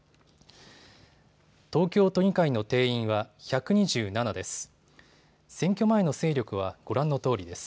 東京都議会の定員は１２７です。